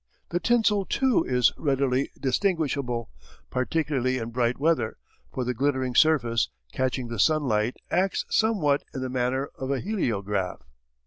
The tinsel too, is readily distinguishable, particularly in bright weather, for the glittering surface, catching the sun light, acts some what in the manner of a heliograph.